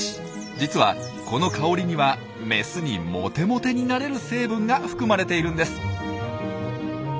実はこの香りにはメスにモテモテになれる成分が含まれているんです。